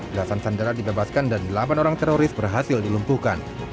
elasan sandara dibebaskan dan delapan orang teroris berhasil dilumpuhkan